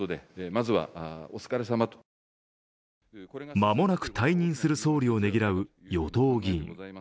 間もなく退任する総理をねぎらう与党議員。